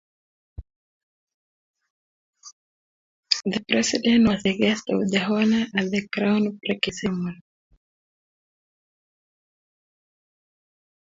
The president was the guest of honor at the groundbreaking ceremony.